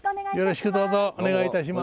よろしくどうぞお願いいたします。